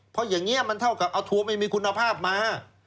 เพราะอย่างนี้มันเท่ากับเอาทัวร์ไม่มีคุณภาพมา